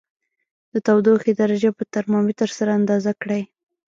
د تودوخې درجه په ترمامتر سره اندازه کړئ.